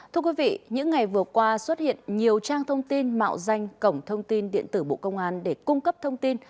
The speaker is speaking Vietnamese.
thưa quý vị những ngày vừa qua xuất hiện nhiều trang thông tin mạo danh cổng thông tin điện tử bộ công an để cung cấp thông tin